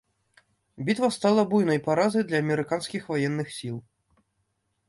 Бітва стала буйнай паразай для амерыканскіх ваенных сіл.